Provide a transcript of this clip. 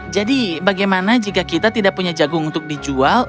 jadi bagaimana jika kita tidak punya jagung untuk dijual